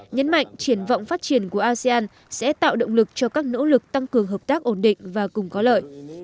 nhấn mạnh triển vọng phát triển của asean sẽ tạo động lực cho các nỗ lực tăng cường hợp tác ổn định và cùng có lợi